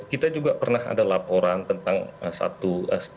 kita juga pernah ada laporan tentang satu